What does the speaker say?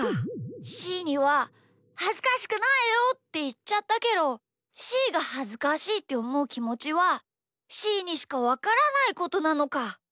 しーにははずかしくないよっていっちゃったけどしーがはずかしいっておもうきもちはしーにしかわからないことなのか。